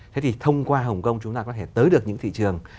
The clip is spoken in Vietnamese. thế thì thông qua hồng kông chúng ta có thể tới được những thị trường